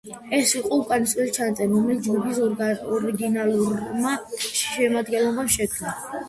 ეს იყო უკანასკნელი ჩანაწერი, რომელიც ჯგუფის ორიგინალურმა შემადგენლობამ შექმნა.